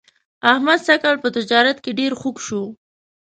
احمد سږ کال په تجارت کې ډېر خوږ شو.